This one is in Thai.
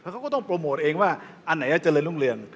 เขาก็ต้องโปรโมทเองว่าอันไหนเจริญรุ่งเรือง